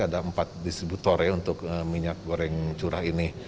ada empat distributor ya untuk minyak goreng curah ini